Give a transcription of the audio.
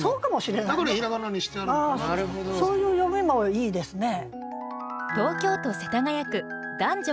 そういう読みもいいですね。